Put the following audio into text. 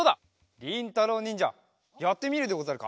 りんたろうにんじゃやってみるでござるか？